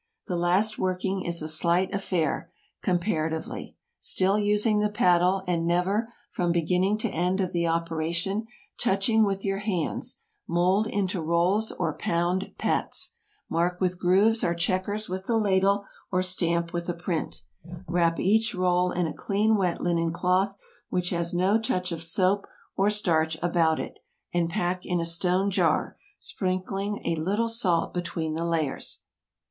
The last working is a slight affair, comparatively. Still using the paddle, and never, from beginning to end of the operation, touching with your hands, mould into rolls or pound "pats." Mark with grooves or checkers with the ladle, or stamp with a print. Wrap each roll in a clean wet linen cloth, which has no touch of soap or starch about it, and pack in a stone jar, sprinkling a little salt between the layers.